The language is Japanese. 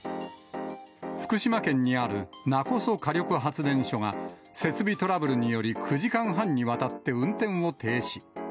福島県にある勿来火力発電所が、設備トラブルにより、９時間半にわたって、運転を停止。